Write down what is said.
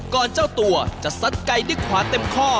กล้อยเจ้าตัวจะซัดไกดึกขวาเต็มข้อ